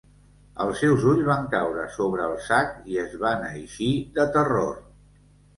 Els seus ulls van caure sobre el sac i es van eixir de terror.